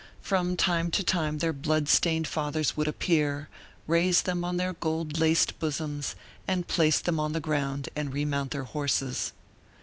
From time to time their blood stained fathers would appear, raise them on their gold laced bosoms, then place them on the ground and remount their horses.